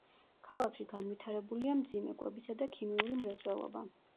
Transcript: ქალაქში განვითარებულია მძიმე, კვებისა და ქიმიური მრეწველობა.